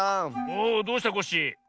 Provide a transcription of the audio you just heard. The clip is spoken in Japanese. おおどうしたコッシー？